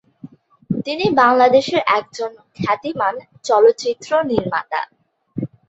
তিনি বাংলাদেশের একজন খ্যাতিমান চলচ্চিত্র নির্মাতা।